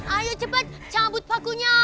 ayo cepet cabut pakunya